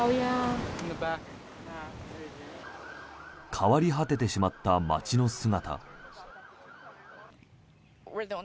変わり果ててしまった街の姿。